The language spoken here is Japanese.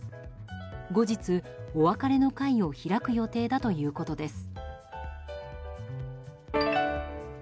後日、お別れの会を開く予定だということです。